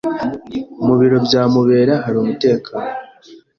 Mu biro bya Mubera hari umutekano.